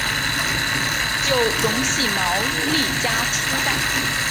就隆系毛利家初代。